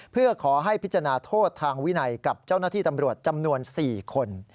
เพื่อขอให้พิจารณาโทษทางวินัยกับเจ้าหน้าที่ตำรวจจำนวน๔คน